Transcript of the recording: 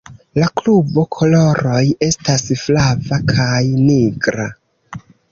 La klubo koloroj estas flava kaj nigra.